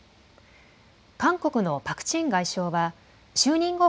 韓国のパク・チン外相は就任後